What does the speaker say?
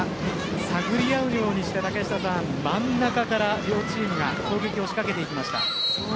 探り合うようにして真ん中から両チームが攻撃を仕掛けていきました。